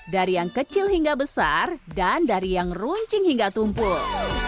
dari yang kecil hingga besar dan dari yang runcing hingga tumpul